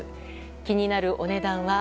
気になるお値段は。